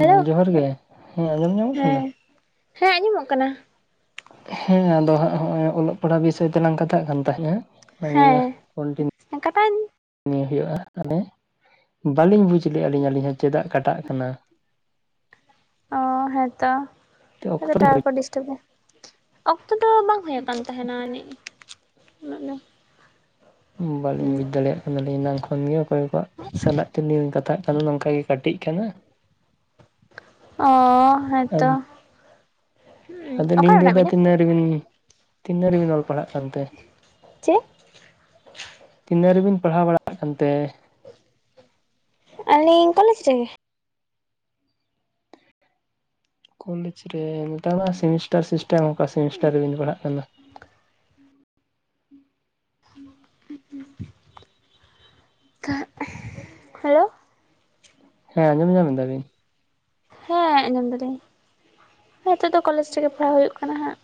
Hello ᱡᱚᱦᱟᱨ ᱜᱮ᱾ ᱦᱮᱸ ᱟᱸᱡᱚᱢ ᱧᱟᱢᱚᱜ ᱠᱟᱱᱟ? ᱦᱮᱸ ᱦᱮᱸ ᱟᱸᱡᱚᱢᱚᱜ ᱠᱟᱱᱟ ᱦᱮᱸ ᱟᱫᱚ ᱦᱟᱸᱜ ᱦᱚᱸᱜᱼᱚᱭ ᱚᱞᱚᱜ ᱯᱟᱲᱦᱟᱜ ᱵᱤᱥᱚᱭ ᱛᱮᱞᱟᱝ ᱠᱟᱛᱷᱟᱜ ᱠᱟᱱ ᱛᱟᱦᱮᱸᱫᱼᱟ ᱚᱱᱟᱜᱮ ᱠᱚᱱᱴᱤᱱᱤ ᱠᱟᱴᱟᱣ ᱱᱤᱭᱟᱹ ᱦᱩᱭᱩᱜᱼᱟ ᱯᱟᱞᱮ᱾ ᱵᱟᱹᱞᱤᱧ ᱵᱩᱡᱽ ᱞᱮᱫᱼᱟ ᱞᱤᱧ ᱟᱹᱞᱤᱧ ᱦᱚᱸ ᱪᱮᱫᱟᱜ ᱠᱟᱴᱟᱜ ᱠᱟᱱᱟ? ᱚ ᱦᱮᱸᱛᱚ ᱟᱫᱟ ᱚᱠᱛᱚ ᱴᱟᱣᱟᱨ ᱦᱩᱭ ᱠᱚ ᱰᱤᱥ ᱛᱚᱵᱮ ᱚᱠᱛᱚ ᱫᱚ ᱵᱟᱝ ᱦᱩᱭᱩ ᱟᱠᱟᱱ ᱛᱟᱦᱮᱱᱟ ᱟᱹᱱᱤᱡ ᱩᱱᱟᱹᱜ ᱫᱚ᱾ ᱵᱟᱟᱹᱞᱤᱧ ᱦᱩᱸ ᱵᱩᱡ ᱫᱟᱲᱮᱭᱟᱜ ᱟᱞᱤᱧ ᱮᱱᱟᱝ ᱠᱷᱚᱱ ᱜᱮ ᱚᱠᱚᱭ ᱠᱚᱣᱟᱜ ᱥᱟᱞᱟᱜ ᱛᱮᱞᱤᱧ ᱠᱟᱛᱷᱟᱜ ᱠᱟᱱᱟ ᱱᱚᱝᱠᱟ ᱜᱮ ᱠᱟᱹᱴᱤᱡ ᱠᱟᱱᱟ᱾ ᱚ ᱦᱮᱸᱛᱚ, ᱚᱠᱟᱨᱮ ᱢᱮᱱᱟᱜ ᱵᱤᱱᱟ? ᱨᱤᱱ ᱛᱤᱱ ᱫᱷᱟᱹᱨᱤ ᱵᱤᱱ ᱚᱞ ᱯᱟᱲᱦᱟᱜ ᱠᱟᱱᱛᱮ ᱪᱮᱫ ᱛᱤᱱᱟᱹ ᱨᱮᱵᱤᱱ ᱯᱟᱲᱦᱟᱣ ᱵᱟᱲᱟᱜ ᱠᱟᱱᱛᱮ ᱟᱹᱞᱤᱧ ᱠᱚᱞᱮᱡᱽ ᱨᱮᱜᱮ ᱠᱚᱞᱮᱡᱽ ᱨᱮ ᱱᱮᱛᱟᱨ ᱢᱟ ᱥᱮᱢᱤᱥᱴᱟᱨ ᱥᱤᱥᱴᱮᱢ ᱚᱠᱟ ᱥᱮᱢᱤᱥᱴᱟᱨ ᱨᱮᱵᱤᱱ ᱯᱟᱲᱦᱟᱜ ᱠᱟᱱᱟ? [inaudible] ᱛᱟᱸᱜ ᱦᱮᱞᱳ ᱦᱮᱸ ᱟᱸᱡᱚᱢ ᱧᱟᱢ ᱮᱫᱟ ᱵᱤᱱ? ᱦᱮᱸ ᱟᱸᱡᱚᱢ ᱫᱟᱞᱤᱧ ᱱᱤᱛᱚᱜ ᱫᱚ ᱠᱚᱞᱮᱡᱽ ᱨᱮᱜᱮ ᱯᱟᱲᱦᱟᱣ ᱦᱩᱭᱩᱜ ᱠᱟᱱᱟ ᱦᱟᱸᱜ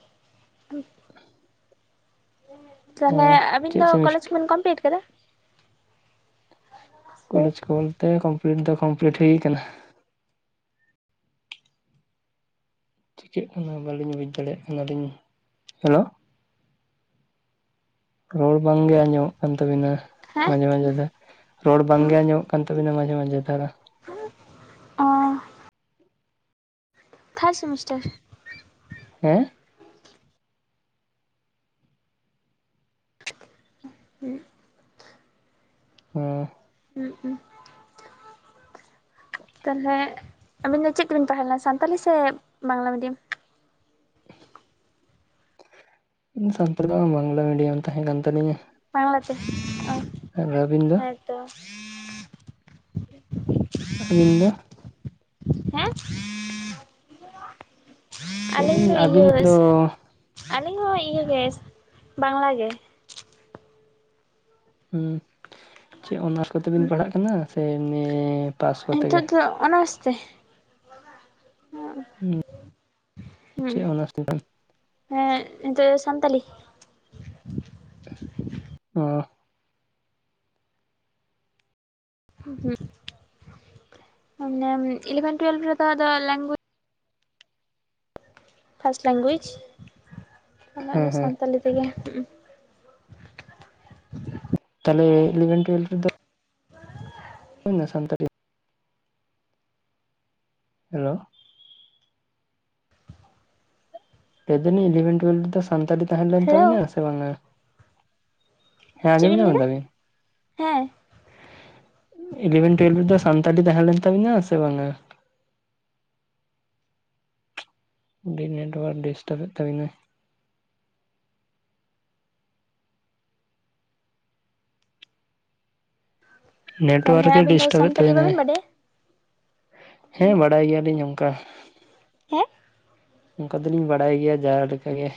[inaudible] ᱚ ᱛᱟᱦᱚᱞᱮ ᱟᱵᱤᱱ ᱪᱮᱫ ᱫᱚ ᱠᱚᱞᱮᱡᱽ ᱥᱮᱢᱤᱥᱴᱟᱨ ᱠᱚᱵᱤᱱ ᱠᱚᱢᱯᱤᱞᱤᱴ ᱠᱟᱫᱟ ᱥᱮ ᱠᱚᱞᱮᱡᱽ ᱠᱚ ᱵᱚᱞᱛᱮ ᱠᱚᱢᱯᱞᱤᱴ ᱫᱚ ᱠᱚᱢᱯᱞᱤᱴ ᱦᱩᱭ ᱠᱟᱱᱟ ᱪᱤᱠᱟᱹᱜ ᱠᱟᱱᱟ ᱵᱟᱹᱞᱤᱧ ᱵᱩᱡᱽ ᱫᱟᱲᱮᱭᱟᱜ ᱠᱟᱱᱟᱞᱤᱧ ᱦᱮᱞᱳ ᱨᱚᱲ ᱵᱟᱝᱜᱮ ᱟᱸᱡᱚᱢᱚᱜ ᱠᱟᱱ ᱛᱟᱵᱤᱱᱟ ᱦᱮᱸ ᱢᱟᱡᱷᱮ ᱢᱟᱡᱷᱮ ᱫᱚ ᱨᱚᱲ ᱵᱟᱝᱜᱮ ᱟᱡᱚᱢᱚᱜ ᱠᱟᱱ ᱛᱟᱵᱤᱱᱟ ᱢᱟᱡᱷᱮ ᱢᱟᱡᱷᱮ ᱫᱷᱟᱨᱟ᱾ ᱚ ᱛᱷᱟᱨ ᱥᱮᱢᱤᱥᱴᱟᱨ᱾ ᱦᱮᱸ ᱦᱩᱸ ᱦᱩᱸ ᱦᱩᱸ ᱩᱩᱸ ᱛᱟᱦᱚᱞᱮ ᱟᱵᱤᱱ ᱫᱚ ᱪᱮᱫ ᱛᱮᱵᱤᱱ ᱯᱟᱲᱦᱟᱣ ᱞᱮᱱᱟ ᱥᱟᱱᱛᱟᱞᱤ ᱥᱮ ᱵᱟᱝᱞᱟ ᱢᱤᱰᱤᱭᱟᱢ? [inaudible] ᱥᱟᱱᱛᱟᱲ ᱫᱚ ᱵᱟᱝᱞᱟ ᱢᱤᱰᱤᱭᱟᱢ ᱛᱟᱦᱮᱸ ᱠᱟᱱ ᱛᱟᱞᱤᱧᱟ ᱵᱟᱝᱞᱟᱛᱮ ᱚ ᱟᱨ ᱟᱵᱤᱱ ᱫᱚ ᱛᱚ [unintelligible] ᱟᱵᱤᱱᱫᱚ ᱦᱮᱸ ᱟᱹᱞᱤᱧ ᱞᱟᱹᱭᱞᱤᱧ ᱫᱚ ᱟᱹᱵᱤᱱ ᱤᱭᱟᱹ ᱫᱚ ᱟᱹᱞᱤᱧ ᱦᱚᱸ ᱤᱭᱟᱹ ᱜᱮ ᱵᱟᱝᱞᱟ ᱜᱮ ᱦᱮᱸ ᱪᱮᱫ ᱚᱱᱟᱨᱥ ᱠᱟᱛᱮ ᱵᱤᱱ ᱯᱟᱲᱦᱟᱜ ᱠᱟᱱᱟ ᱥᱮ ᱮᱢᱱᱤ ᱯᱟᱥ ᱠᱚᱛᱮ ᱜᱮ ᱱᱤᱛᱳᱜ ᱫᱚ ᱚᱱᱟᱨᱥ ᱛᱮ᱾ ᱦᱩᱸ ᱪᱮᱫ ᱚᱱᱟᱨᱥ ᱛᱮᱵᱤᱱ? ᱦᱮᱸ ᱱᱤᱛᱳᱜ ᱫᱚ ᱥᱟᱱᱛᱟᱞᱤ᱾ ᱚ ᱤᱞᱮᱵᱷᱮᱱ ᱴᱩᱭᱞᱵᱷ ᱨᱮᱫᱚ ᱟᱫᱚ ᱞᱮᱝᱜᱩ ᱯᱷᱟᱥᱴ ᱞᱮᱝᱜᱩᱭᱮᱡᱽ ᱦᱮᱸ ᱚᱱᱟᱫᱚ ᱦᱮᱸ ᱥᱟᱱᱛᱟᱞᱤ ᱛᱮᱜᱮ ᱦᱩᱸ ᱛᱟᱦᱚᱞᱮ ᱤᱞᱮᱵᱷᱮᱱ ᱴᱩᱭᱮᱞᱵᱷ ᱨᱮᱫᱚ ᱦᱩᱭ ᱱᱟ ᱥᱟᱱᱛᱟᱲᱤ ᱦᱮᱞᱳ ᱞᱟᱹᱭ ᱫᱟᱞᱤᱧ ᱤᱞᱮᱵᱷᱮᱱ ᱴᱩᱭᱮᱞᱵᱷ ᱨᱮᱫᱚ ᱥᱟᱱᱛᱟᱞᱤ ᱛᱟᱦᱮᱸ ᱞᱮᱱ ᱦᱮᱞᱳ ᱛᱟᱵᱤᱱᱟ ᱥᱮ ᱵᱟᱝᱟ? ᱦᱮᱸ ᱪᱮᱫ ᱟᱸᱡᱚᱢ ᱵᱤᱱ ᱧᱟᱢ ᱞᱟᱹᱭᱫᱟ ᱫᱟ ᱵᱤᱵ? ᱦᱮᱸ ᱤᱞᱮᱵᱷᱮᱱ ᱴᱩᱭᱮᱞᱵᱷ ᱨᱮᱫᱚ ᱥᱟᱱᱛᱟᱞᱤ ᱛᱟᱦᱮᱸ ᱞᱮᱱ ᱛᱟᱵᱤᱱᱟ ᱥᱮ ᱵᱟᱝᱟ? ᱟᱹᱰᱤ ᱱᱮᱴᱳᱣᱟᱨᱠ ᱰᱤᱥᱴᱟᱵ ᱮᱫ ᱛᱟᱹᱵᱤᱱᱟᱭ᱾ ᱛᱟᱦᱚᱞᱮ ᱱᱮᱴᱣᱟᱨᱠ ᱜᱮ ᱟᱹᱵᱤᱱ ᱫᱚ ᱰᱤᱥᱴᱟᱵᱮᱫ ᱥᱟᱱᱛᱟᱞᱤ ᱛᱟᱦᱮᱱᱟᱭ ᱵᱟᱹᱵᱤᱱ ᱵᱟᱰᱟᱭᱟ ᱦᱮᱸ ᱵᱟᱰᱟᱭ ᱜᱮᱭᱟᱞᱤᱧ ᱚᱱᱠᱟ᱾ ᱦᱮᱸ ᱚᱱᱠᱟ ᱫᱚᱞᱤᱧ ᱵᱟᱰᱟᱭ ᱜᱮᱭᱟ ᱡᱟᱦᱟ ᱞᱮᱠᱟ ᱜᱮ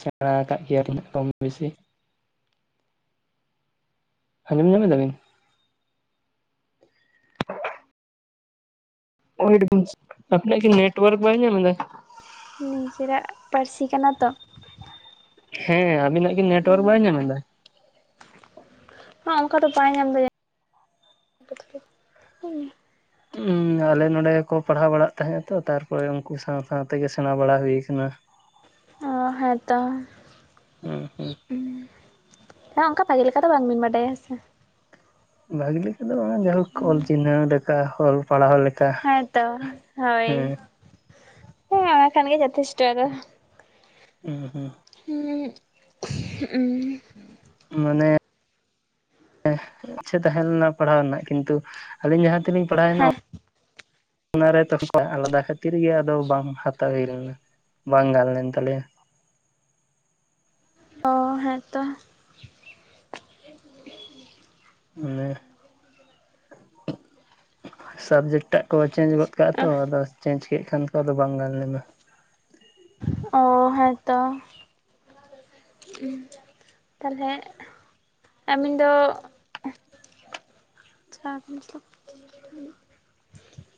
ᱥᱮᱬᱟ ᱠᱟᱫ ᱜᱮᱭᱟᱞᱤᱧ ᱠᱚᱢ ᱵᱮᱥᱤ ᱾ ᱟᱸᱡᱚᱢ ᱧᱟᱢ ᱫᱟᱵᱤᱱ᱾ [unintelligible] ᱟᱵᱤᱱᱟᱜ ᱠᱤ ᱱᱮᱴᱚᱣᱟᱨᱠ ᱵᱟᱭ ᱧᱟᱢᱫᱟᱭ᱾ ᱱᱤᱡᱮᱨᱟᱜ ᱯᱟᱹᱨᱥᱤ ᱠᱟᱱᱟ ᱛᱚ᱾ ᱦᱮ ᱟᱹᱵᱤᱱᱟᱜ ᱜᱮ ᱱᱮᱴᱳᱣᱟᱨᱠ ᱵᱟᱭ ᱧᱟᱢᱫᱟ? ᱦᱚᱸ ᱚᱱᱠᱟ ᱫᱚ ᱵᱟᱭ ᱧᱟᱢᱫᱟ ᱡᱟᱹ [unintelligible] ᱟᱞᱮ ᱱᱚᱸᱰᱮ ᱜᱮᱠᱚ ᱯᱟᱲᱦᱟᱣ ᱵᱟᱲᱟᱜ ᱛᱟᱦᱮᱸᱜ ᱛᱚ ᱛᱟᱨᱯᱚᱨᱮ ᱩᱱᱠᱩ ᱥᱟᱶ ᱥᱟᱶ ᱛᱮᱜᱮ ᱥᱮᱸᱬᱟ ᱵᱟᱲᱟ ᱦᱩᱭ ᱠᱟᱱᱟ ᱾ ᱚ ᱦᱮᱸᱛᱚ᱾ ᱦᱩᱸ ᱦᱩᱸ ᱦᱮᱸ ᱚᱱᱠᱟ ᱵᱷᱟᱜᱮ ᱞᱮᱠᱟ ᱫᱚ ᱵᱟᱝᱵᱤᱱ ᱵᱟᱰᱟᱭᱟ ᱦᱮᱸᱥᱮ᱾ ᱵᱷᱟᱹᱜᱤ ᱞᱮᱠᱟ ᱫᱚ ᱵᱟᱝ ᱡᱟᱭᱦᱳᱠ ᱚᱞ ᱪᱤᱱᱦᱟᱹᱣ ᱞᱮᱠᱟ ᱚᱞ ᱯᱟᱲᱦᱟᱣ ᱞᱮᱠᱟ᱾ ᱦᱮᱸᱛᱚ ᱦᱳᱭ ᱦᱮᱸ ᱦᱮᱸ ᱚᱱᱟ ᱠᱷᱟᱱ ᱜᱮ ᱡᱚᱛᱷᱮᱥᱴᱚ ᱟᱫᱚ ᱾ ᱦᱩᱸ ᱦᱩᱸ᱾ [unintelligible] ᱢᱟᱱᱮ ᱤᱪᱪᱷᱟᱹ ᱛᱟᱦᱮᱸ ᱞᱮᱱᱟ ᱯᱟᱲᱦᱟᱣ ᱨᱮᱱᱟᱜ ᱠᱤᱱᱛᱩ ᱟᱹᱞᱤᱧ ᱡᱟᱦᱟᱸ ᱛᱮᱞᱤᱧ ᱯᱟᱲᱦᱟᱣᱱᱟ ᱚᱱᱟᱨᱮ ᱛᱚᱠᱷᱚᱡ ᱟᱞᱟᱫᱟ ᱠᱷᱟᱹᱛᱤᱨ ᱜᱮ ᱵᱟᱝ ᱦᱟᱛᱟᱣ ᱦᱳᱭ ᱞᱮᱱᱟ ᱾ ᱵᱟᱝ ᱜᱟᱱ ᱞᱮᱱ ᱛᱟᱞᱮᱭᱟ᱾ ᱚ ᱦᱮᱸᱛᱚ᱾ ᱢᱟᱱᱮ ᱥᱟᱵᱡᱮᱠᱴᱟᱜ ᱠᱚ ᱪᱮᱧᱡᱽ ᱜᱚᱫ ᱠᱟᱜᱼᱟ ᱛᱚ ᱟᱫᱚ᱾ ᱪᱮᱧᱡᱽ ᱠᱮᱜ ᱠᱷᱟᱱ ᱠᱚ ᱟᱫᱚ ᱵᱟᱝ ᱜᱟᱱᱞᱮᱱᱟ ᱾ ᱚ ᱦᱮᱸᱛᱚ ᱛᱟᱦᱚᱞᱮᱸ ᱟᱹᱵᱤᱱ ᱫᱚ [unintelligible]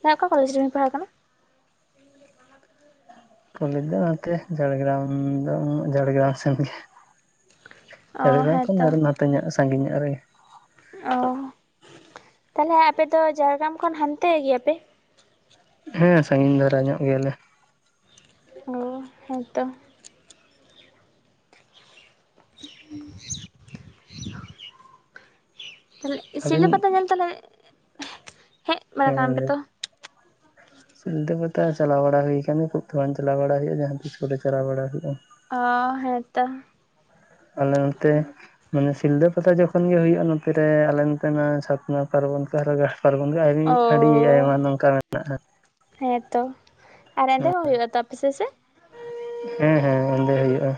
ᱦᱮᱸ ᱚᱠᱟ ᱠᱚᱞᱮᱡᱽ ᱨᱮᱵᱤᱱ ᱯᱟᱲᱦᱟᱣ ᱠᱟᱱᱟ? ᱠᱚᱞᱮᱡᱽ ᱫᱚ ᱱᱚᱛᱮ ᱡᱷᱟᱲᱜᱨᱟᱢ ᱫᱚ ᱡᱷᱟᱲᱜᱨᱟᱢ ᱥᱮᱱ ᱜᱮ ᱾ ᱚ ᱡᱷᱟᱲᱜᱟᱨᱟᱢ ᱠᱷᱚᱱ ᱦᱮᱸᱛᱚ ᱟᱨᱚ ᱱᱚᱛᱮ ᱧᱚᱜ ᱥᱟᱺᱜᱤᱧ ᱧᱚᱜ ᱨᱮᱜᱮ ᱾ ᱚ ᱛᱟᱦᱚᱞᱮ ᱟᱯᱮ ᱫᱚ ᱡᱷᱟᱲᱜᱨᱟᱢ ᱠᱷᱚᱱ ᱦᱟᱱᱛᱮ ᱜᱮᱭᱟᱯᱮ? ᱦᱮᱸ ᱥᱟᱺᱜᱤᱧ ᱫᱷᱟᱨᱟ ᱧᱚᱜ ᱜᱮᱭᱟᱞᱮ᱾ ᱚ ᱦᱮᱸᱛᱚ᱾ [unintelligible] ᱛᱟᱦᱚᱞᱮ ᱥᱷᱤᱞᱫᱟᱹ ᱟᱹᱵᱤᱱ ᱯᱟᱛᱟ ᱧᱮᱞ ᱛᱟᱦᱟᱞᱮ ᱦᱮᱡ ᱵᱟᱲᱟ ᱠᱟᱱᱟ ᱯᱮ ᱛᱚ? ᱥᱷᱤᱞᱫᱟᱹ ᱯᱟᱛᱟ ᱪᱟᱞᱟᱣ ᱵᱟᱲᱟ ᱦᱩᱭ ᱠᱟᱱᱟ ᱠᱷᱩᱵ ᱛᱷᱚᱲᱟ ᱵᱟᱝ ᱪᱟᱞᱟᱣ ᱵᱟᱲᱟ ᱦᱩᱭᱩᱜᱼᱟ ᱡᱟᱦᱟᱸ ᱛᱤᱥ ᱠᱚᱨᱮ ᱪᱟᱞᱟᱣ ᱵᱟᱲᱟ ᱦᱳᱭᱳᱜᱼᱟ ᱾ ᱚ ᱦᱮᱸ ᱛᱚ᱾ ᱟᱞᱮ ᱱᱚᱱᱛᱮ ᱢᱟᱱᱮ ᱥᱤᱞᱫᱟᱹ ᱯᱟᱛᱟ ᱡᱚᱠᱷᱚᱱ ᱜᱮ ᱦᱩᱭᱩᱜᱼᱟ ᱱᱚᱛᱮ ᱨᱮ ᱟᱞᱮ ᱱᱟᱛᱮᱱᱟᱜ ᱪᱷᱟᱛᱱᱟ ᱯᱟᱨᱵᱚᱱ ᱦᱚᱨᱚᱜᱟ᱾ ᱯᱟᱨᱜᱚᱱ ᱜᱮ ᱟᱹᱨᱤ ᱟᱹᱰᱤ ᱟᱭᱢᱟ ᱱᱚᱝᱠᱟ ᱢᱮᱱᱟᱜᱼᱟ ᱾ ᱦᱮᱸ ᱛᱚ᱾ ᱟᱨ ᱮᱸᱫᱮ ᱦᱚ ᱦᱩᱭᱩᱜᱼᱟ ᱛᱚ ᱟᱯᱟᱥᱮᱜ ᱥᱮ? ᱦᱮᱸ ᱦᱮᱸ ᱚᱸᱫᱮ ᱦᱩᱭᱩᱜᱼᱟ᱾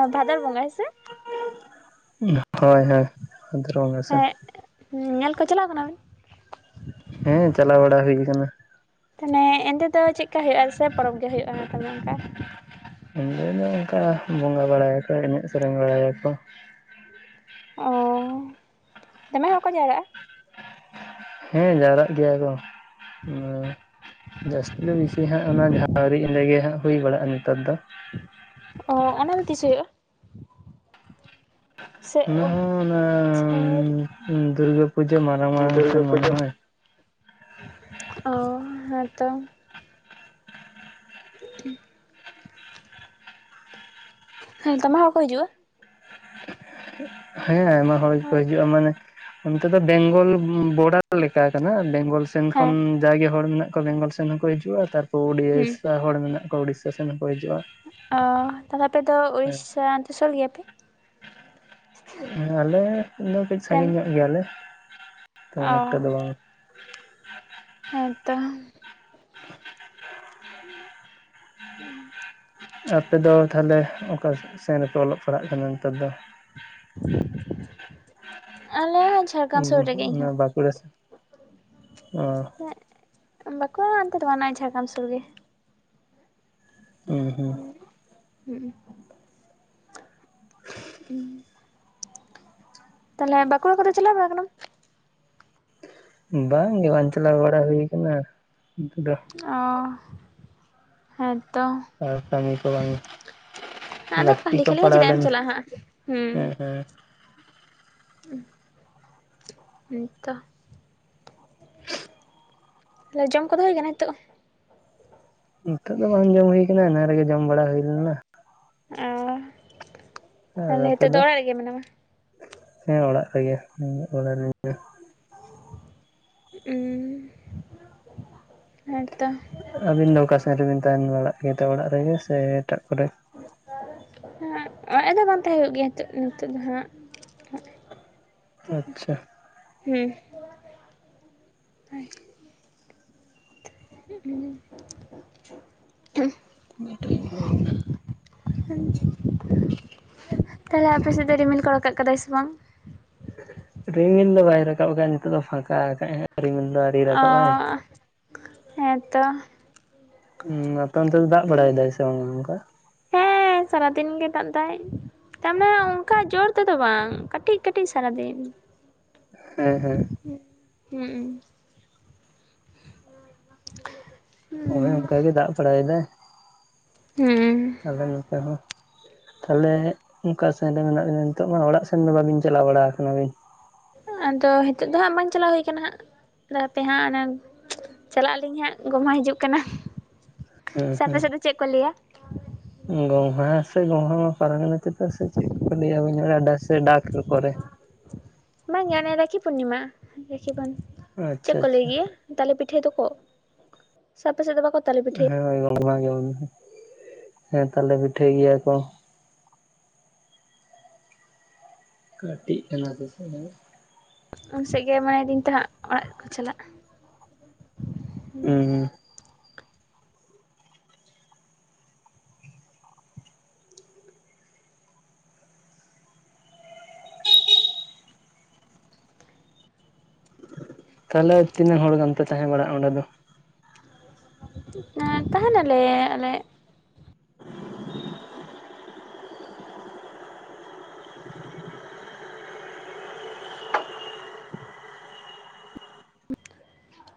ᱚ ᱵᱷᱟᱫᱚᱨ ᱵᱚᱸᱜᱟ ᱦᱮᱸ ᱥᱮ᱾ ᱦᱳᱭ ᱦᱳᱭ ᱵᱷᱟᱫᱚᱨ ᱵᱚᱸᱜᱟ ᱥᱮᱜ᱾ ᱦᱮᱸ ᱧᱮᱞ ᱠᱚ ᱪᱟᱞᱟᱣ ᱠᱟᱱᱟ ᱵᱤᱱ? ᱦᱮᱸ ᱪᱟᱞᱟᱣ ᱵᱟᱲᱟ ᱦᱩᱭ ᱠᱟᱱᱟ᱾ ᱛᱟᱦᱚᱞᱮ ᱮᱸᱫᱮ ᱫᱚ ᱪᱮᱫᱠᱟ ᱦᱳᱭᱳᱜ-ᱟ ᱥᱮ ᱯᱚᱨᱚᱵᱽ ᱜᱮ ᱦᱳᱭᱳᱜᱼᱟ ᱛᱟᱦᱚᱞᱮ ᱚᱱᱠᱟ᱾ ᱮᱸᱫᱮ ᱫᱚ ᱚᱱᱠᱟ ᱵᱚᱸᱜᱟ ᱵᱟᱲᱟᱭᱟᱠᱚ ᱮᱱᱮᱡ ᱥᱮᱨᱮᱧ ᱵᱟᱲᱟᱭᱟᱠᱚ ᱾ ᱚᱻ ᱫᱚᱢᱮ ᱦᱚᱲ ᱠᱚ ᱡᱟᱣᱨᱟᱜᱼᱟ? ᱦᱮᱸ ᱡᱟᱣᱨᱟᱜ ᱜᱮᱭᱟ ᱠᱚ ᱦᱮᱸ, ᱡᱟᱹᱥᱛᱤ ᱫᱚ ᱵᱮᱥᱤ ᱦᱟᱸᱜ ᱚᱱᱟ ᱜᱮ [inaudible] ᱨᱮᱜᱮ ᱦᱟᱸᱜ ᱦᱩᱭ ᱵᱟᱲᱟᱜᱼᱟ ᱱᱤᱛᱟᱨ ᱫᱚ᱾ ᱚ, ᱚᱱᱟ ᱫᱚ ᱛᱤᱥ ᱦᱩᱭᱩᱜᱼᱟ? ᱥᱮ ᱚᱱᱟ ᱚ ᱦᱚᱸ ᱚᱱᱟ ᱫᱩᱨᱜᱟᱹ ᱯᱩᱡᱟᱹ ᱢᱟᱲᱟᱝ ᱢᱟᱲᱟᱝ ᱥᱮᱱ ᱫᱩᱨᱜᱟᱹ ᱢᱟᱱᱮ ᱯᱩᱡᱟᱹ ᱦᱚᱭ᱾ ᱚ ᱦᱮᱸᱛᱚ᱾ [unintelligible] ᱦᱮᱸ ᱫᱚᱢᱮ ᱦᱚᱲᱠᱚ ᱦᱤᱡᱩᱜᱼᱟ? ᱦᱮᱸ ᱟᱭᱢᱟ ᱦᱚᱲ ᱜᱮᱠᱚ ᱦᱤᱡᱩᱜᱼᱟ ᱢᱟᱱᱮ, ᱚᱱᱛᱮ ᱫᱚ ᱵᱮᱝᱜᱚᱞ ᱵᱚᱰᱟᱨ ᱞᱮᱠᱟ ᱠᱟᱱᱟ ᱵᱮᱝᱜᱚᱞ ᱥᱮᱱ ᱠᱷᱚᱱ, ᱦᱮᱸ ᱡᱟᱜᱮ ᱦᱚᱲ ᱢᱮᱱᱟᱜ ᱠᱚᱣᱟ ᱵᱮᱝᱜᱚᱞ ᱥᱮᱱ ᱦᱚᱸᱠᱚ ᱦᱤᱡᱩᱜᱼᱟ, ᱛᱟᱨᱯᱚᱨ ᱦᱩᱸ ᱩᱲᱤᱥᱥᱟ ᱦᱚᱲ ᱢᱮᱱᱟᱜ ᱠᱚᱣᱟ ᱩᱲᱤᱥᱥᱟ ᱥᱮᱱ ᱦᱚᱸᱠᱚ ᱦᱤᱡᱩᱜᱼᱟ᱾ ᱚᱻ ᱛᱟᱦᱚᱞᱮ ᱟᱯᱮ ᱫᱚ ᱦᱮᱸ ᱩᱲᱤᱥᱥᱟ ᱚᱱᱛᱮ ᱥᱳᱨ ᱜᱮᱭᱟᱯᱮ? ᱟᱞᱮ ᱫᱚ ᱠᱟᱹᱡ ᱥᱟᱺᱜᱤᱧ ᱧᱚᱜ ᱜᱮᱭᱟᱞᱮ, ᱛᱚ ᱚ ᱚᱱᱮᱠᱴᱟ ᱫᱚ ᱵᱟᱝ᱾ ᱦᱮᱸᱛᱚ᱾ [unintelligible] ᱟᱯᱮ ᱫᱚ ᱛᱟᱦᱚᱞᱮ ᱚᱠᱟ ᱥᱮᱱ ᱨᱮᱯᱮ ᱚᱞᱚᱜ ᱯᱟᱲᱦᱟᱜ ᱠᱟᱱᱟ ᱱᱮᱛᱟᱨ ᱫᱚ? ᱟᱞᱮ [unintelligible] ᱡᱷᱟᱲᱜᱟᱨᱟᱢ ᱥᱳᱨ ᱨᱮᱜᱮ ᱤᱧ ᱦᱚᱸ᱾ ᱚᱱᱟ ᱵᱟᱸᱠᱩᱲᱟ ᱥᱮᱱ ᱚ ᱵᱟᱺᱠᱩᱲᱟ ᱚᱱᱛᱮ ᱫᱚ ᱵᱟᱝ ᱚᱱᱮ ᱡᱷᱟᱲᱜᱨᱟᱢ ᱥᱳᱨ ᱜᱮ᱾ ᱦᱩᱸ ᱦᱩᱸ ᱦᱩᱸ [unintelligible] ᱛᱟᱦᱚᱞᱮ ᱵᱟᱺᱠᱩᱲᱟ ᱠᱚᱫᱚ ᱪᱟᱞᱟᱣ ᱵᱟᱲᱟ ᱠᱟᱱᱟᱢ? ᱵᱟᱝᱜᱮ ᱵᱟᱝ ᱪᱟᱞᱟᱣ ᱵᱟᱲᱟ ᱦᱩᱭ ᱠᱟᱱᱟ, [unintelligible] ᱫᱚ᱾ ᱚ ᱦᱮᱸ ᱟᱨ ᱠᱟᱹᱢᱤ ᱠᱚ ᱵᱟᱝ ᱟᱫᱚ ᱞᱟᱹᱠᱛᱤ ᱠᱷᱟᱹᱞᱤ ᱠᱚ ᱠᱷᱟᱹᱞᱤ ᱦᱚᱸ ᱯᱟᱲᱟᱣ ᱪᱮᱫᱟᱜ ᱮᱢ ᱞᱮᱱ ᱪᱟᱞᱟᱜᱼᱟ ᱦᱟᱸᱜ ᱦᱮᱸ ᱦᱮᱸ᱾ ᱦᱮᱸ ᱦᱮᱸᱛᱚ ᱛᱟᱦᱚᱞᱮ ᱡᱚᱢ ᱠᱚᱫᱚ ᱦᱩᱭ ᱠᱟᱱᱟ ᱱᱤᱛᱚᱜ? ᱱᱤᱛᱚᱜ ᱫᱚ ᱵᱟᱝ ᱡᱚᱢ ᱦᱩᱭ ᱠᱟᱱᱟ ᱮᱱᱟᱝ ᱨᱮᱜᱮ ᱡᱚᱢ ᱵᱟᱲᱟ ᱦᱩᱭ ᱞᱮᱱᱟ᱾ ᱚᱻ ᱟᱨ ᱟᱯᱮ ᱫᱚ, ᱦᱮᱸ ᱚᱲᱟᱜ ᱨᱮᱜᱮ ᱦᱩᱸ ᱦᱮᱸᱛᱚ ᱟᱹᱵᱤᱱ ᱫᱚ ᱚᱠᱟ ᱥᱮᱱ ᱨᱮᱵᱤᱱ ᱛᱟᱦᱮᱱ ᱵᱟᱲᱟᱜ ᱜᱮ ᱮᱴᱟᱜ ᱚᱲᱟᱜ ᱨᱮᱜᱮ ᱥᱮ ᱮᱴᱟᱜ ᱠᱚᱨᱮ [unintelligible] ᱵᱟᱝ ᱛᱟᱦᱮᱸ ᱦᱩᱭᱩᱜ ᱜᱮᱭᱟ ᱱᱤᱛᱚᱜ ᱱᱤᱛᱚᱜ ᱫᱚ ᱦᱟᱸᱜ᱾ ᱟᱪᱪᱷᱟ ᱦᱩᱸ [unintelligible] [unintelligible] [unintelligible] ᱛᱟᱦᱚᱞᱮ ᱟᱯᱮ ᱥᱮᱫ ᱫᱚ ᱨᱤᱢᱤᱞ ᱠᱚ ᱨᱟᱠᱟᱵ ᱠᱟᱫᱟᱭ ᱥᱮ ᱵᱟᱝ? ᱨᱤᱢᱤᱞ ᱫᱚ ᱵᱟᱭ ᱨᱟᱠᱟᱵ ᱠᱟᱜᱼᱟ ᱱᱤᱛᱚᱜ ᱫᱚ ᱯᱷᱟᱸᱠᱟ ᱠᱟᱫᱟᱭ ᱨᱤᱢᱤᱞ ᱫᱚ᱾ ᱟᱹᱣᱨᱤ ᱚ ᱨᱟᱠᱟᱵᱟᱭ ᱦᱮᱸᱛᱚ᱾ ᱟᱯᱮ ᱚᱱᱛᱮ ᱫᱚ ᱫᱟᱜ ᱵᱟᱲᱟᱭ ᱫᱟᱭ ᱥᱮ ᱵᱟᱝᱟ ᱚᱱᱠᱟ? ᱦᱮᱸ ᱥᱟᱨᱟᱫᱤᱱ ᱜᱮ ᱫᱟᱜ ᱫᱟᱭ᱾ ᱛᱟᱨᱢᱟᱱᱮ ᱚᱱᱠᱟ ᱡᱳᱨ ᱛᱮᱫᱚ ᱵᱟᱝ ᱠᱟᱹᱴᱤᱡ ᱠᱟᱹᱴᱤᱡ ᱥᱟᱨᱟᱫᱤᱱ᱾ ᱦᱮᱸ ᱦᱮᱸ᱾ ᱦᱩᱸ᱾ ᱦᱚᱭ ᱦᱩᱸ ᱚᱱᱠᱟ ᱜᱮ ᱫᱟᱜ ᱵᱟᱲᱟᱭ ᱮᱫᱟᱭ᱾ ᱦᱮᱸ᱾ ᱟᱞᱮ ᱱᱚᱛᱮ ᱦᱚᱸᱼᱼ ᱛᱟᱦᱞᱮ ᱚᱱᱠᱟ ᱥᱮᱱ ᱨᱮ ᱢᱮᱱᱟᱜ ᱵᱤᱱᱟ ᱱᱤᱛᱚᱜ ᱢᱟ ᱚᱲᱟᱜ ᱥᱮᱱ ᱫᱚ ᱵᱟᱵᱤᱱ ᱪᱟᱞᱟᱣ ᱵᱟᱲᱟᱣ ᱠᱟᱱᱟ ᱞᱤᱧ᱾ ᱟᱫᱚ ᱦᱤᱛᱚᱜ ᱫᱚ ᱦᱟᱸᱜ ᱵᱟᱝ ᱪᱟᱞᱟᱣ ᱦᱩᱭ ᱠᱟᱱᱟ ᱦᱟᱸᱜ ᱟᱫᱚ ᱦᱟᱯᱮ ᱦᱟᱸᱜ ᱚᱱᱟᱼᱼ ᱪᱟᱞᱟᱜ ᱟᱹᱞᱤᱧ ᱦᱟᱸᱜ ᱜᱚᱢᱦᱟ ᱦᱤᱡᱩᱜ ᱠᱟᱱᱟ ᱥᱮ ᱟᱯᱮ ᱥᱮᱫ ᱫᱚ ᱪᱮᱫ ᱠᱚ ᱞᱟᱹᱭᱟ? ᱜᱚᱢᱦᱟ ᱥᱮ ᱜᱚᱢᱦᱟ ᱢᱟ ᱯᱟᱨᱚᱢᱮᱱᱟ ᱪᱮᱫᱟᱜ ᱥᱮ ᱪᱮᱫ ᱠᱚ ᱞᱟᱹᱭᱟ ᱵᱟᱹᱧ ᱵᱟᱲᱟᱭᱟ ᱰᱟᱠ ᱥᱮ ᱰᱟᱠ ᱦᱤᱞᱳ ᱯᱚᱨᱮ᱾ ᱵᱟᱝ ᱜᱮ ᱦᱟᱱᱮ ᱨᱟᱠᱷᱤ ᱯᱩᱨᱱᱤᱢᱟ ᱨᱟᱠᱷᱤ ᱵᱚᱱ ᱪᱮᱫ ᱟᱪᱪᱷᱟ ᱠᱚ ᱞᱟᱹᱭ ᱟᱪᱪᱷᱟ ᱜᱮᱭᱟ? ᱛᱟᱞᱮ ᱯᱤᱴᱟᱹᱭ ᱫᱚᱠᱚ ᱥᱮ ᱟᱯᱮ ᱥᱮᱫᱽ ᱵᱟ ᱠᱚ ᱛᱟᱞᱮ ᱯᱤᱴᱟᱹᱭ-ᱟ ᱼᱼ ᱵᱟᱝ ᱜᱮ ᱵᱟᱱᱩ ᱦᱮᱸ ᱛᱟᱞᱮ ᱯᱤᱴᱷᱟᱹᱭ ᱜᱮᱭᱟ ᱠᱚ᱾ ᱠᱟᱹᱴᱤᱡᱽ ᱪᱟᱞᱟ ᱫᱚ ᱥᱮ ᱦᱩᱸ᱾ ᱩᱱ ᱥᱮᱫ ᱜᱮ ᱢᱚᱱᱮᱭ ᱫᱟᱹᱧ ᱛᱮ ᱦᱟᱸᱜ ᱚᱲᱟᱜ ᱠᱚ ᱪᱟᱞᱟᱜ ᱦᱩᱸ᱾ ᱛᱟᱦᱞᱮ ᱛᱤᱱᱟᱹᱜ ᱦᱚᱲ ᱜᱟᱱ ᱯᱮ ᱛᱟᱦᱮᱸ ᱵᱟᱲᱟᱜᱼᱟ ᱚᱸᱰᱮ ᱫᱚ? ᱦᱮᱸ ᱛᱟᱦᱮ ᱱᱟᱞᱮ ᱟᱞᱮᱼᱼ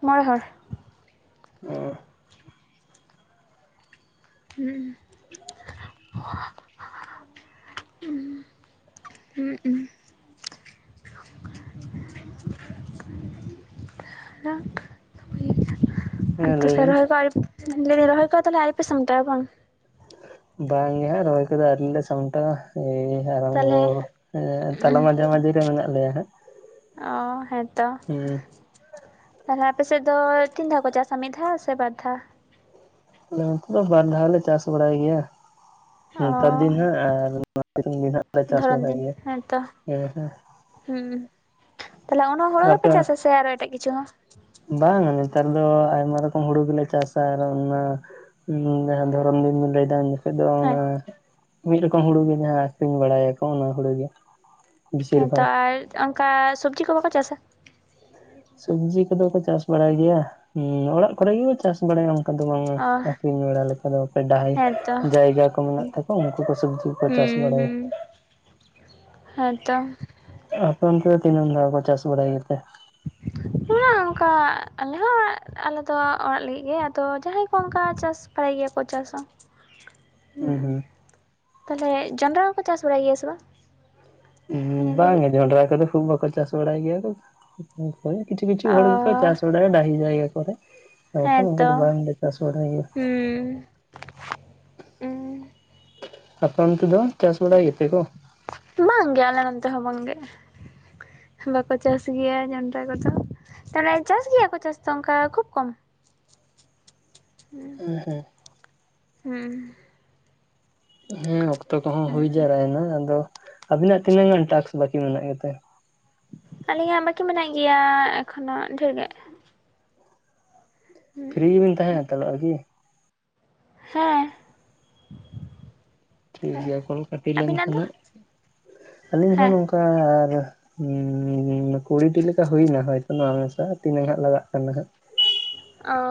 ᱩᱸᱜ ᱢᱚᱲᱮ ᱦᱚᱲ᱾ ᱦᱩᱸ [unintelligible] ᱩᱸ ᱦᱩᱸ ᱩᱸ᱾ ᱦᱮᱞᱳ᱾ ᱦᱮᱸ ᱟᱪᱪᱷᱟ ᱞᱟᱹᱭ ᱵᱤᱱ ᱥᱮᱨᱣᱟ [inaudible] ᱨᱚᱦ ᱠᱚ ᱟᱣᱨᱤ, ᱞᱟᱹᱭ ᱫᱟᱹᱧ ᱨᱚᱦᱚᱭ ᱠᱚ ᱛᱟᱦᱞᱮ ᱟᱣᱨᱤ ᱯᱮ ᱥᱟᱢᱴᱟᱣᱟ ᱵᱟᱝ? ᱵᱟᱝ ᱜᱮ ᱦᱟᱸᱜ ᱨᱚᱦᱚᱭ ᱠᱚᱫᱚ ᱟᱹᱣᱨᱤ ᱞᱮ ᱥᱟᱢᱴᱟᱣᱼᱟ᱾ ᱮᱭ ᱛᱟᱦᱚᱞᱮ ᱟᱨᱟᱢᱵᱚ ᱮᱸ ᱛᱟᱦᱞᱮ ᱢᱟᱡᱷᱟ ᱢᱟᱡᱷᱤ ᱨᱮ ᱢᱮᱱᱟᱜ ᱞᱮᱭᱟ ᱦᱟᱸᱜ᱾ ᱚ ᱦᱮᱸᱛᱚ᱾ ᱦᱩᱸ᱾ ᱛᱟᱦᱞᱮ ᱟᱯᱮᱥᱮᱫ ᱫᱚ ᱛᱤᱱ ᱫᱷᱟᱣ ᱠᱚ ᱪᱟᱥᱟ ᱢᱤᱫ ᱫᱷᱟᱣ ᱥᱮ ᱵᱟᱨ ᱫᱷᱟᱣ? ᱟᱞᱮ ᱚᱱᱛᱮ ᱫᱚ ᱵᱟᱨ ᱫᱷᱟᱣ ᱞᱮ ᱪᱟᱥ ᱵᱟᱲᱟᱭ ᱜᱮᱭᱟ᱾ ᱚ ᱱᱮᱛᱟᱨ ᱫᱤᱱ ᱦᱟᱸᱜ ᱟᱨ ᱵᱟᱨ ᱯᱮ ᱫᱤᱱ ᱦᱟᱸᱜ ᱞᱮ ᱪᱟᱥ ᱫᱷᱚᱨᱚᱱ ᱵᱟᱲᱟᱭ ᱫᱤᱱ ᱜᱮᱭᱟ ᱦᱮᱸᱛᱚ ᱦᱮᱸ ᱦᱮᱸ᱾ ᱦᱩᱸ ᱛᱟᱦᱚᱞᱮ ᱩᱱᱟ ᱦᱩᱲᱩ ᱜᱮᱯᱮ ᱪᱟᱥᱟ ᱥᱮ ᱟᱨᱚ ᱮᱴᱟᱜ ᱠᱤᱪᱷᱩ ᱦᱚᱸ? ᱵᱟᱝ ᱱᱮᱛᱟᱨ ᱫᱚ ᱟᱭᱢᱟ ᱨᱚᱠᱚᱢ ᱦᱩᱲᱩ ᱜᱮᱞᱮ ᱪᱟᱥᱟ ᱟᱨ ᱚᱱᱟᱼᱼ ᱱᱚᱸᱰᱮ ᱦᱟᱸᱜ ᱫᱷᱚᱨᱚᱱ ᱫᱤᱱ ᱫᱚ ᱞᱟᱹᱭ ᱫᱟ ᱟᱫᱚ ᱚᱱᱟ ᱦᱮᱸ ᱢᱤᱫ ᱨᱚᱠᱚᱢ ᱦᱩᱲᱩ ᱜᱮ ᱡᱟᱦᱟᱸ ᱟᱹᱠᱷᱨᱤᱧ ᱵᱟᱲᱟᱭᱟᱠᱚ ᱚᱱᱟ ᱦᱩᱲᱩ ᱜᱮ᱾ ᱵᱮᱥᱤᱨ ᱦᱮᱸᱛᱚ ᱵᱷᱟᱜᱽ ᱟᱨ ᱚᱱᱠᱟ ᱥᱚᱵᱽᱡᱤ ᱠᱚ ᱵᱟᱠᱚ ᱪᱟᱥᱟ? ᱥᱚᱵᱽᱡᱤ ᱠᱚᱫᱚ ᱠᱚ ᱪᱟᱥ ᱵᱟᱲᱟᱭ ᱜᱮᱭᱟ ᱦᱩᱸ ᱚᱲᱟᱜ ᱠᱚᱨᱮ ᱜᱮᱠᱚ ᱪᱟᱥ ᱵᱟᱲᱟᱭᱟ ᱚᱸᱼᱼ ᱟᱫᱚ ᱵᱟᱝ ᱼᱟ ᱚ ᱟᱠᱷᱨᱤᱧ ᱵᱟᱲᱟ ᱞᱮᱠᱟ ᱫᱚ ᱯᱮ ᱰᱟᱹᱦᱤᱼᱼ ᱦᱮᱸᱛᱚ ᱡᱟᱭᱜᱟ ᱠᱚ ᱢᱮᱱᱟᱜ ᱛᱟᱠᱚᱣᱟ ᱩᱱᱠᱩ ᱠᱚ ᱥᱚᱵᱽᱡᱤ ᱠᱚᱠᱚ ᱪᱟᱥ ᱦᱩᱸ ᱵᱟᱲᱟᱭᱟ᱾ ᱦᱩᱸ ᱦᱮᱸᱛᱚ᱾ ᱟᱸ ᱟᱯᱮ ᱚᱱᱛᱮ ᱫᱚ ᱛᱤᱱᱟᱹᱜ ᱫᱷᱟᱣ ᱠᱚ ᱪᱟᱥ ᱵᱟᱲᱟᱭ ᱜᱮᱛᱮ? ᱟᱱᱼᱚᱰᱤᱵᱮᱞ ᱚᱱᱟ ᱚᱝᱠᱟ ᱟᱞᱮ ᱦᱚᱸ ᱟᱞᱮ ᱫᱚ ᱚᱲᱟᱜ ᱞᱟᱹᱜᱤᱫ ᱜᱮ ᱟᱫᱚ ᱡᱟᱦᱟᱸᱭ ᱠᱚ ᱚᱱᱠᱟ ᱪᱟᱥᱼᱼ ᱯᱟᱲᱟᱭ ᱜᱮᱭᱟ ᱠᱚ ᱪᱟᱥᱟ᱾ ᱟᱱᱼᱚᱰᱤᱵᱮᱞ ᱦᱩᱸ ᱛᱟᱞᱦᱮ ᱡᱚᱱᱰᱽᱨᱟ ᱦᱚᱸᱠᱚ ᱪᱟᱥ ᱵᱟᱲᱟᱭ ᱜᱮᱭᱟ ᱥᱮ ᱵᱟᱝ? ᱱᱤᱭᱟᱹ ᱩᱸ ᱵᱟᱝ ᱜᱷᱟᱹᱲᱤᱡ ᱜᱮ ᱡᱚᱱᱰᱽᱨᱟ ᱠᱚᱫᱚ ᱠᱷᱩᱵ ᱵᱟᱠᱚ ᱪᱟᱥ ᱵᱟᱲᱟᱭ ᱜᱮᱭᱟ ᱠᱚ᱾ ᱚᱱᱠᱩ ᱫᱚ ᱠᱤᱪᱷᱩ ᱠᱤᱪᱷᱩ ᱚ ᱦᱚᱲ ᱜᱮᱠᱚ ᱠᱚ ᱪᱟᱥ ᱵᱟᱲᱟᱭᱟ ᱰᱟᱦᱤ ᱡᱟᱭᱜᱟ ᱠᱚᱨᱮ ᱟᱨ ᱵᱟᱠᱷᱟᱱ ᱚᱱᱠᱟ ᱦᱮᱸᱛᱚ ᱫᱚ ᱵᱟᱝ ᱞᱮ ᱪᱟᱥ ᱵᱟᱲᱟᱭ ᱜᱮᱭᱟ ᱾ ᱦᱩᱸ ᱩᱸ ᱟᱯᱮ ᱚᱱᱛᱮ ᱫᱚ ᱪᱟᱥ ᱵᱟᱲᱟᱭ ᱜᱮᱛᱮ ᱠᱚ? ᱵᱟᱝ ᱜᱮ ᱟᱞᱮ ᱱᱚᱱᱛᱮ ᱦᱚᱸ ᱵᱟᱝ ᱜᱮ᱾ ᱵᱟᱠᱚ ᱪᱟᱥ ᱜᱮᱭᱟ ᱡᱚᱱᱰᱽᱨᱟ ᱠᱚᱫᱚ᱾ ᱛᱟᱦᱚᱞᱮ ᱪᱟᱥ ᱜᱮᱭᱟ ᱠᱚ ᱪᱟᱥ ᱛᱚ ᱚᱱᱠᱟ ᱠᱷᱩᱵ ᱠᱚᱢ᱾ [unintelligible] ᱦᱩᱸ ᱦᱮᱸ ᱦᱩᱸ᱾ ᱦᱮᱸ ᱚᱠᱛᱚ ᱠᱚᱦᱚᱸ ᱦᱩᱭ ᱡᱟᱣᱨᱟᱭᱮᱱᱟ ᱟᱫᱚ ᱟᱵᱤᱱᱟᱜ ᱛᱤᱱᱟᱹᱜ ᱜᱟᱱ ᱴᱟᱠᱥ ᱵᱟᱠᱤ ᱢᱮᱱᱟᱜ ᱜᱮᱛᱮ? ᱟᱹᱞᱤᱧᱟᱜ ᱵᱟᱹᱠᱤ ᱢᱮᱱᱟᱜ ᱜᱮᱭᱟ ᱮᱠᱷᱚᱱᱳ ᱰᱷᱮᱨ ᱜᱮ᱾ ᱦᱩᱸᱜ᱾ ᱯᱷᱨᱤ ᱵᱤᱱ ᱛᱟᱦᱮᱸ ᱦᱟᱛᱟᱲᱚᱜ- ᱟ ᱠᱤ? ᱦᱮᱸ᱾ ᱴᱷᱤᱠ ᱜᱮᱭᱟ ᱠᱚᱞ ᱠᱟᱹᱴᱤ ᱟᱹᱵᱤᱱᱟᱜ ᱫᱚ ᱞᱮᱱᱠᱷᱟᱱᱟᱜ ᱟᱹᱞᱤᱧ ᱦᱚᱸ ᱦᱮᱸ ᱱᱚᱝᱠᱟ ᱟᱨ ᱩᱸᱻ ᱠᱩᱲᱤᱴᱤ ᱞᱮᱠᱟ ᱦᱩᱭᱱᱟ ᱦᱳᱭ ᱛᱚ ᱱᱚᱣᱟ ᱢᱮᱥᱟ ᱛᱤᱱᱟᱹᱜ ᱦᱟᱸᱜ ᱞᱟᱜᱟᱜ ᱠᱟᱱᱟ ᱦᱟᱸᱜ᱾ ᱚ